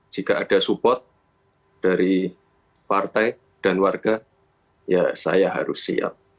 jika ada support dari partai dan warga ya saya harus siap